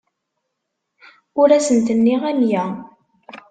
Ur asent-nniɣ amya.